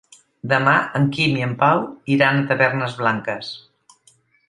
Demà en Quim i en Pau iran a Tavernes Blanques.